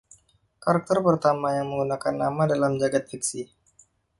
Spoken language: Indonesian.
Karakter pertama yang menggunakan nama dalam jagat fiksi.